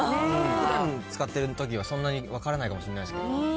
ふだん使ってるときは、そんなに分からないかもしれないですけど。